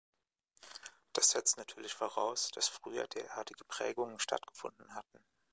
Das setzt natürlich voraus, dass früher derartige Prägungen stattgefunden hatten.